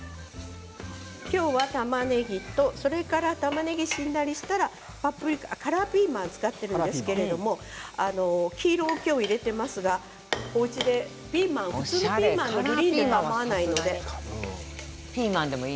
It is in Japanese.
今日はたまねぎと、それからたまねぎがしんなりしたらパプリカカラーピーマンを使っているんですけれども黄色を今日入れていますがおうちでピーマンのグリーンでもかまわないので。